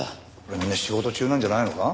みんな仕事中なんじゃないのか？